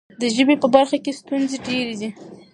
د ژبې په برخه کې ستونزې ډېرې دي.